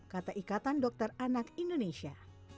kata ikatan dokter anak indonesia